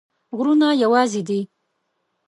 غرونه یوازي دي